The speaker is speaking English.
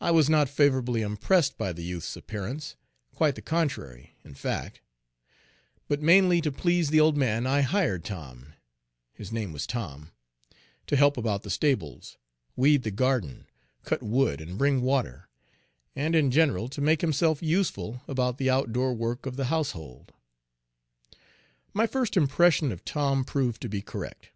I was not favorably impressed by the youth's Page 66 appearance, quite the contrary, in fact; but mainly to please the old man I hired Tom his name was Tom to help about the stables, weed the garden, cut wood and bring water, and in general to make himself useful about the outdoor work of the household. My first impression of Tom proved to be correct.